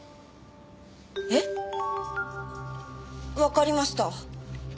えっ？わかりました。